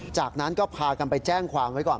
จากนั้นก็พากันไปแจ้งความไว้ก่อน